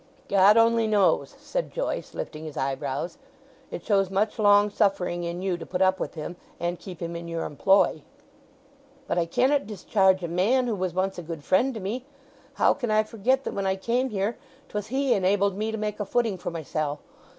"God only knows," said Joyce, lifting his eyebrows. "It shows much long suffering in you to put up with him, and keep him in your employ." "But I cannet discharge a man who was once a good friend to me. How can I forget that when I came here 'twas he enabled me to make a footing for mysel'?